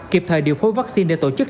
kịp thời điều phối vaccine để tổ chức